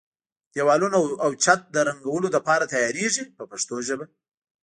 دېوالونه او چت د رنګولو لپاره تیاریږي په پښتو ژبه.